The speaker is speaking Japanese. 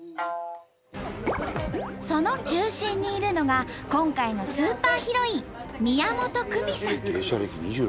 その中心にいるのが今回のスーパーヒロイン芸者歴２６年。